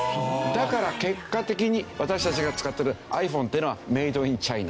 だから結果的に私たちが使ってるｉＰｈｏｎｅっていうのはメイド・イン・チャイナ。